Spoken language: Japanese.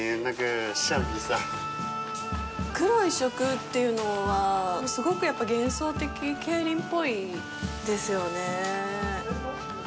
黒一色というのは、すごくやっぱり幻想的、桂林っぽいですよね。